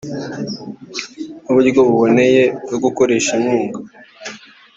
n’uburyo buboneye bwo gukoresha inkunga